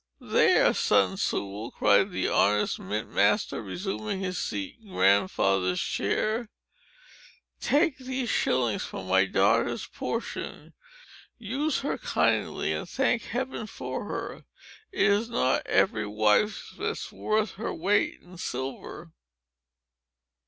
"There, son Sewell!" cried the honest mint master, resuming his seat in Grandfather's chair. "Take these shillings for my daughter's portion. Use her kindly, and thank Heaven for her. It is not every wife that's worth her weight in silver!"